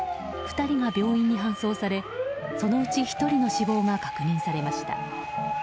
２人が病院に搬送されそのうち１人の死亡が確認されました。